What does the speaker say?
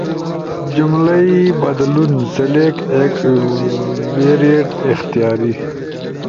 جملئی بدلون، سلیکٹ ایک ویرینٹ[اختیاری]